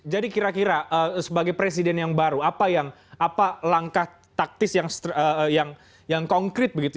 jadi kira kira sebagai presiden yang baru apa langkah taktis yang konkret begitu